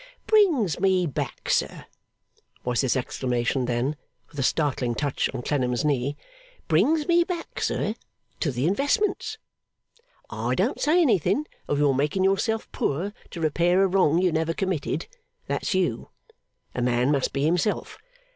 'Brings me back, sir,' was his exclamation then, with a startling touch on Clennam's knee, 'brings me back, sir, to the Investments! I don't say anything of your making yourself poor to repair a wrong you never committed. That's you. A man must be himself.